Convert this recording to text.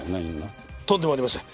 とんでもありません。